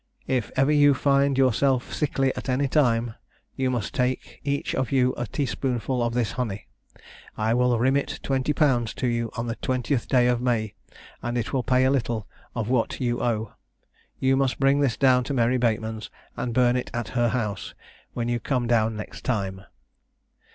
If ever you find yourself sickly at any time, you must take each of you a teaspoonful of this honey; I will remit twenty pounds to you on the 20th day of May, and it will pay a little of what you owe. You must bring this down to Mary Bateman's, and burn it at her house, when you come down next time."